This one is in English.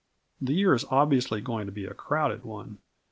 The year is obviously going to be a crowded one.